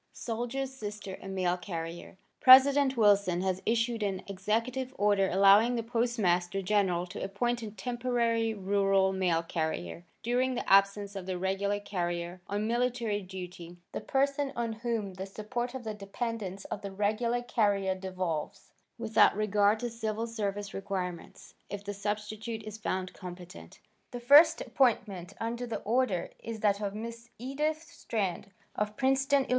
Soldier's Sister a Mail Carrier President Wilson has issued an executive order allowing the Postmaster General to appoint as temporary rural mail carrier, during the absence of the regular carrier on military duty, the person on whom the support of the dependents of the regular carrier devolves, without regard to civil service requirements, if the substitute is found competent. The first appointment under the order is that of Miss Edith Strand, of Princeton, Ill.